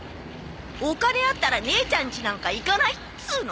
お金あったら姉ちゃん家なんか行かないっつうの。